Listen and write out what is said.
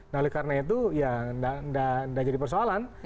nah oleh karena itu ya tidak jadi persoalan